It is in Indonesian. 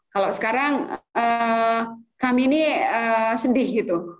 kalau sekarang kami ini sedih gitu